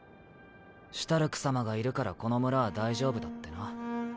「シュタルク様がいるからこの村は大丈夫だ」ってな。